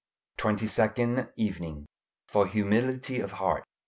TWENTY SECOND EVENING. FOR HUMILITY OF HEART.